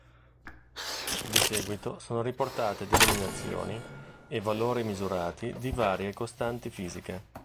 Di seguito sono riportate denominazioni e valori misurati di varie costanti fisiche.